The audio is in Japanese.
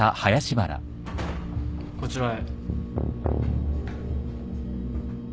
こちらへ。